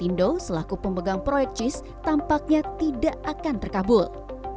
indo selaku pemegang proyek jis tampaknya tidak akan terkabul